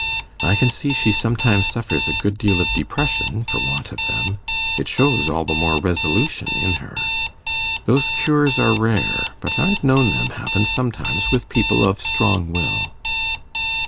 I can see she sometimes suffers a good deal of depression for want of them it shows all the more resolution in her. Those cures are rare: but I've known them happen sometimes with people of strong will.